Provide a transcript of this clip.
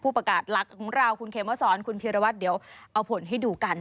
ผู้ประกาศรักดิ์ของเราคุณเคมเวิร์ดสอนคุณเพียรวัตรเดี๋ยวเอาผลให้ดูกัน